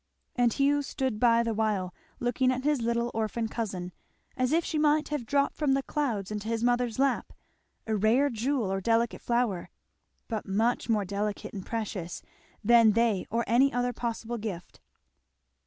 And Hugh stood by the while looking at his little orphan cousin as if she might have dropped from the clouds into his mother's lap, a rare jewel or delicate flower, but much more delicate and precious than they or any other possible gift.